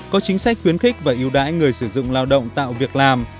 có chính sách khuyến khích và yêu đãi người sử dụng lao động tạo việc làm